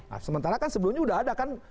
nah sementara kan sebelumnya sudah ada kan